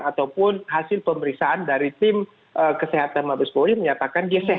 ataupun hasil pemeriksaan dari tim kesehatan mabes bowie menyatakan dia sehat